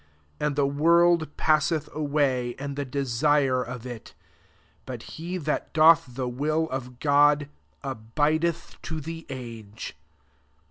17 And the world pass eth away, and the desire [of it]: but he that doth the will of God abideth to the age.